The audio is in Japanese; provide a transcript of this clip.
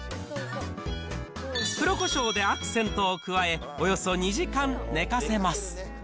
黒こしょうでアクセントを加え、およそ２時間寝かせます。